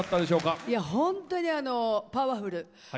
本当にパワフル。